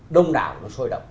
đông đảo nó sôi động